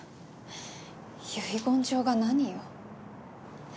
遺言状が何よ。